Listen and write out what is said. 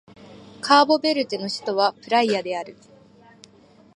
カーボベルデの首都はプライアである